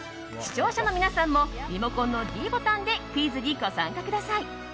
視聴者の皆さんもリモコンのｄボタンでクイズにご参加ください。